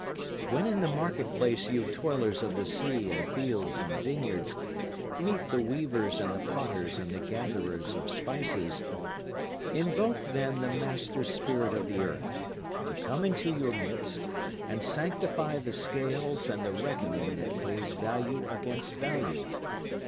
When in the market place you toilers of the sea and fields and vineyards meet the weavers and the potters and the gatherers of spices, Invoke then the master spirit of the earth, to come into your midst and sanctify the scales and the reckoning that weighs value against value.